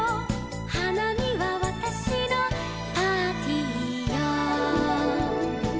「花見はわたしのパーティーよ」